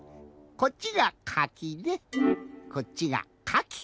こっちが「かき」でこっちが「かき」。